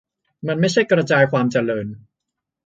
มันไม่ใช่กระจายความเจริญ